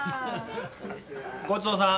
ごちそうさん。